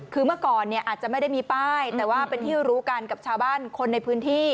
คือเมื่อก่อนเนี่ยอาจจะไม่ได้มีป้ายแต่ว่าเป็นที่รู้กันกับชาวบ้านคนในพื้นที่